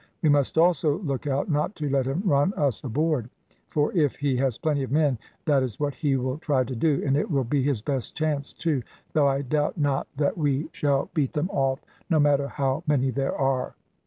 We must also look out, not to let him run us aboard, for if he has plenty of men that is what he will try to do, and it will be his best chance too, though I doubt not that we shall beat them off, no matter how many there are."